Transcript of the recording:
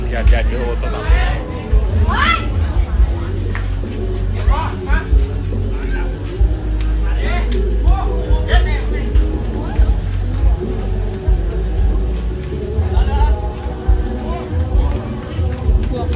อย่าอย่าเดี๋ยวโอ้โหต่อต่อโอ้โอ้อย่าต่อต่อต่อต่อ